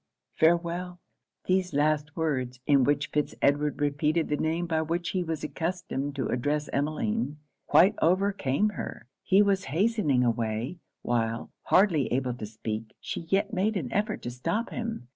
_ Farewell!' These last words, in which Fitz Edward repeated the name by which he was accustomed to address Emmeline, quite overcame her. He was hastening away, while, hardly able to speak, she yet made an effort to stop him.